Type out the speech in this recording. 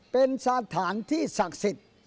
เป็นสถานที่ศักดิ์สิทธิ์